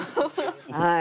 はい。